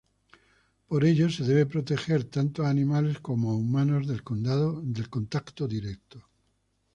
Por ello se debe proteger tanto a animales como a humanos del contacto directo.